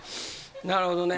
なるほどね。